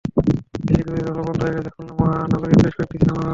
বেশ কিছুদিন হলো বন্ধ হয়ে গেছে খুলনা মহানগরীর বেশ কয়েকটি সিনেমা হল।